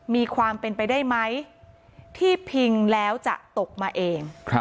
มีความเป็นไปได้ไหมที่พิงแล้วจะตกมาเอง